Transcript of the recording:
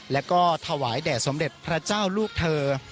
และก็ถวายแด่สมเด็จพระเจ้าลูกเธอ